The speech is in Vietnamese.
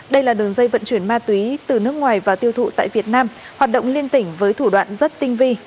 đây là đường dây vận chuyển ma túy từ nước ngoài và tiêu thụ tại việt nam hoạt động liên tỉnh với thủ đoạn rất tinh vi